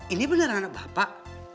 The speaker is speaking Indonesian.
ini bener anak bapak